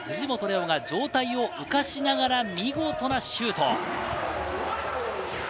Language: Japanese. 央が上体を浮かしながら見事なシュート。